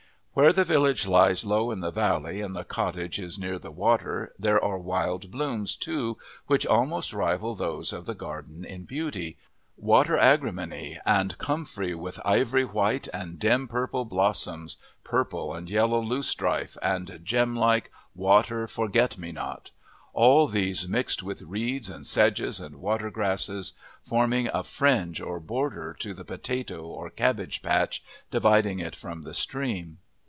Where the village lies low in the valley and the cottage is near the water, there are wild blooms, too, which almost rival those of the garden in beauty water agrimony and comfrey with ivory white and dim purple blossoms, purple and yellow loosestrife and gem like, water forget me not; all these mixed with reeds and sedges and water grasses, forming a fringe or border to the potato or cabbage patch, dividing it from the stream.